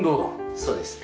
そうですね。